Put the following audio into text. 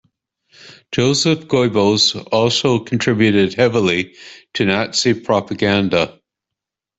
Joseph Goebbels also contributed heavily to Nazi propaganda.